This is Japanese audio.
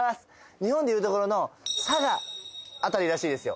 日本でいうところの佐賀辺りらしいですよ